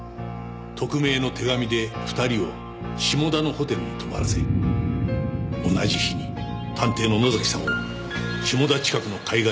匿名の手紙で２人を下田のホテルに泊まらせ同じ日に探偵の野崎さんを下田近くの海岸に呼び出した。